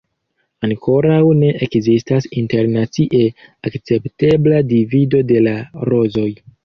Ankoraŭ ne ekzistas internacie akceptebla divido de la rozoj.